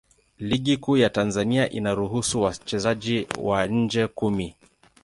Ligi Kuu ya Tanzania inaruhusu wachezaji wa nje kumi.